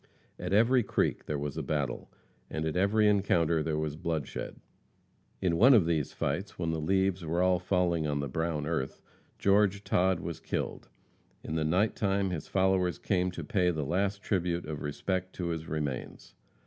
At every creek there was a battle, and at every encounter there was bloodshed. In one of these fights, when the leaves were all falling on the brown earth, George Todd was killed. In the night time his followers came to pay the last tribute of respect to his remains.